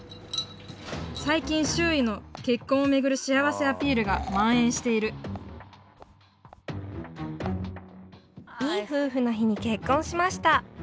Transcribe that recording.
最近周囲の結婚を巡る幸せアピールがまん延している「いい夫婦の日に結婚しました。